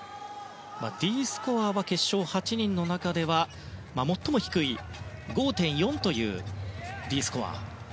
Ｄスコアは決勝８人の中では最も低い５．４というＤスコア。